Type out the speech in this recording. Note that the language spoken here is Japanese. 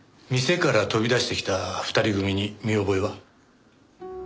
店から飛び出してきた二人組に見覚えは？